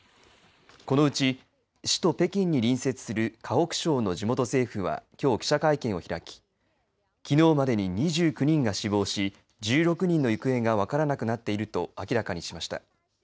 このうち首都・北京に隣接する河北省の地元政府はきょう記者会見を開ききのうまでに２９人が死亡し１６人の行方が分からなくなっていると明らかにしました。